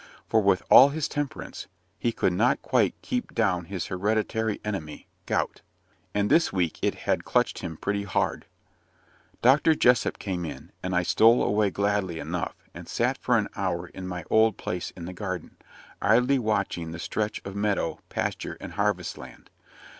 For, with all his temperance, he could not quite keep down his hereditary enemy, gout; and this week it had clutched him pretty hard. Dr. Jessop came in, and I stole away gladly enough, and sat for an hour in my old place in the garden, idly watching the stretch of meadow, pasture, and harvest land.